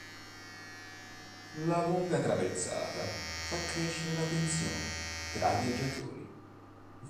La lunga traversata fa crescere la tensione tra i viaggiatori.